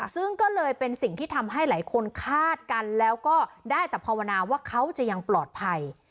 ซึ่งก็เลยเป็นสิ่งที่ทำให้หลายคนคาดกันแล้วก็ได้แต่ภาวนาว่าเขาจะยังปลอดภัย